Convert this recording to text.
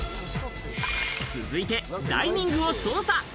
続いて、ダイニングを捜査。